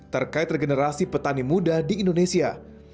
terkait regenerasi petani muda di indonesia